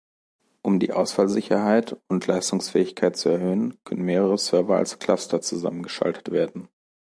Um die Ausfallsicherheit und Leistungsfähigkeit zu erhöhen, können mehrere Server als Cluster zusammengeschaltet werden.